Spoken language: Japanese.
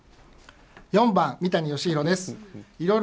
４番、三谷芳広です。